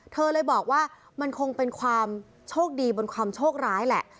เธอเลยบอกว่ามันคงเป็นความโชคดีบนความโชคร้ายแหละ